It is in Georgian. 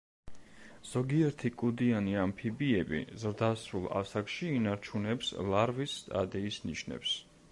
ზოგიერთი კუდიანი ამფიბიები ზრდასრულ ასაკში ინარჩუნებს ლარვის სტადიის ნიშნებს.